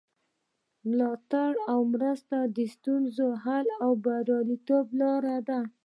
ملاتړ او مرسته د ستونزو د حل او بریالیتوب لاره ده.